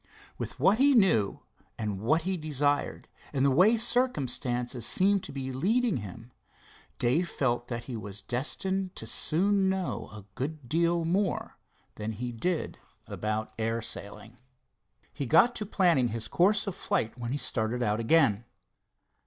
With what he knew, and what he desired, and the way circumstances seemed to be leading him, Dave felt that he was destined to soon know a good deal more than he did about air sailing. He got to planning his course of flight when he started out again.